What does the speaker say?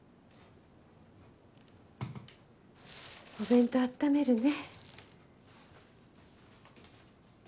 お弁当あっためるね。